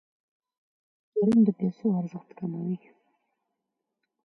تورم د پیسو ارزښت کموي.